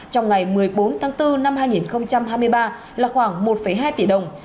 trong ngày một mươi bốn tháng bốn năm hai nghìn hai mươi ba là khoảng một hai tỷ đồng